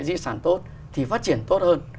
di sản tốt thì phát triển tốt hơn